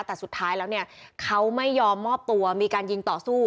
แต่สุดท้ายแล้วเนี่ยเขาไม่ยอมมอบตัวมีการยิงต่อสู้